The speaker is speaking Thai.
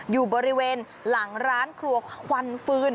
อยู่บริเวณหลังร้านครัวควันฟื้น